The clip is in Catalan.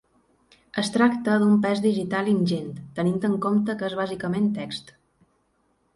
Es tracta d’un pes digital ingent, tenint en compte que és bàsicament text.